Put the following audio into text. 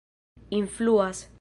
influas